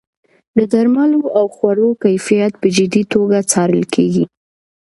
د درملو او خوړو کیفیت په جدي توګه څارل کیږي.